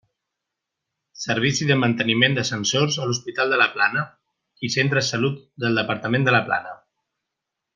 Servici de manteniment d'ascensors a l'Hospital de la Plana i centres salut del Departament de la Plana.